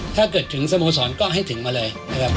ถ้าเกิดถึงสโมสรก็ให้ถึงมาเลยนะครับ